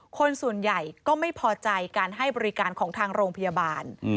คนส่วนใหญ่ก็ไม่พอใจการให้บริการของทางโรงพยาบาล